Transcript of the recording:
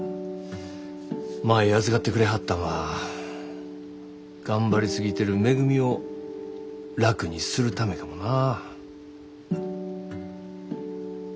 舞預かってくれはったんは頑張り過ぎてるめぐみを楽にするためかもな。